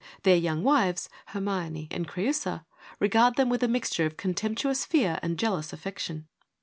Their young wives, Hermione and Creiisa, regard them with a mixture of contemptuous fear and jealous affection.